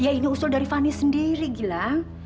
ya ini usul dari fani sendiri gila